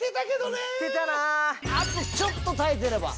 あとちょっと耐えてれば。